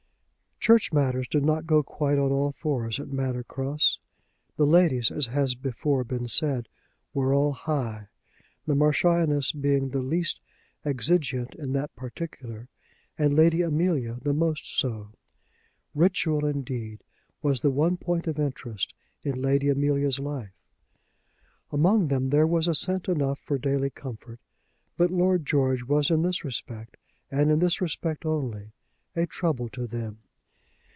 Church matters did not go quite on all fours at Manor Cross. The ladies, as has before been said, were all high, the Marchioness being the least exigeant in that particular, and Lady Amelia the most so. Ritual, indeed, was the one point of interest in Lady Amelia's life. Among them there was assent enough for daily comfort; but Lord George was in this respect, and in this respect only, a trouble to them.